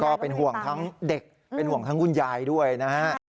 ก็เป็นห่วงทั้งเด็กเป็นห่วงทั้งคุณยายด้วยนะฮะ